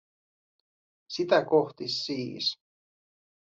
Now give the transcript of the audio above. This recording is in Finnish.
Sitä kohti siis.